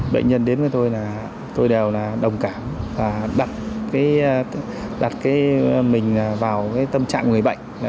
bệnh nhân đến với tôi tôi đều đồng cảm và đặt mình vào tâm trạng người bệnh